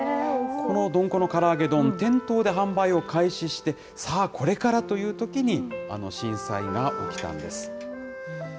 このドンコのから揚げ丼、店頭で販売を開始して、さあこれからというときに、あの震災が起きたんです。